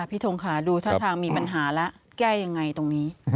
ทงค่ะดูท่าทางมีปัญหาแล้วแก้ยังไงตรงนี้